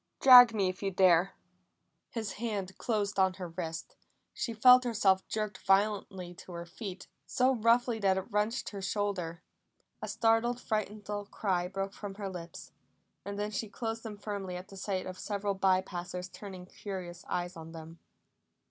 Drag me if you dare." His hand closed on her wrist; she felt herself jerked violently to her feet, so roughly that it wrenched her shoulder. A startled, frightened little cry broke from her lips, and then she closed them firmly at the sight of several by passers turning curious eyes on them.